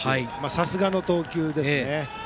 さすがの投球ですね。